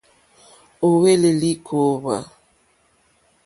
Ò hwélì lìkòówá.